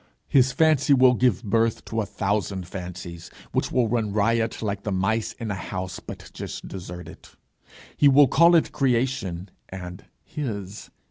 His fancy will give birth to a thousand fancies, which will run riot like the mice in a house but just deserted: he will call it creation, and his.